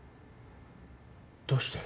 どうして？